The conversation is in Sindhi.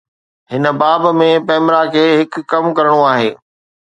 هن باب ۾ ”پيمرا“ کي هڪ ڪم ڪرڻو آهي.